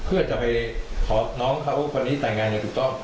เพื่อจะไปขอน้องเขาคนนี้แต่งงานอย่างถูกต้อง